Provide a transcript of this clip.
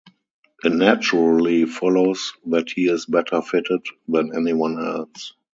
It naturally follows that he is better fitted than anyone else.